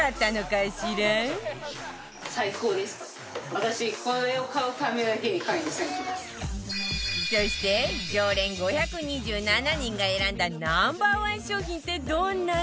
果たしてそして常連５２７人が選んだ Ｎｏ．１ 商品ってどんなの？